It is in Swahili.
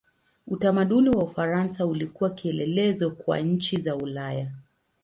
Utamaduni wa Ufaransa ulikuwa kielelezo kwa nchi za Ulaya.